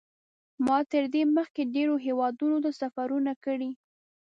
ما تر دې مخکې ډېرو هېوادونو ته سفرونه کړي.